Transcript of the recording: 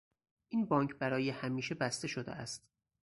این بانک برای همیشه بسته شده است.